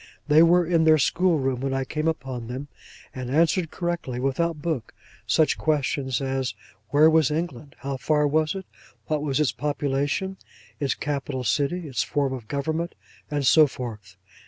They were in their school room when I came upon them, and answered correctly, without book, such questions as where was England; how far was it; what was its population; its capital city; its form of government; and so forth.